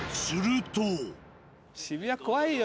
渋谷怖いよ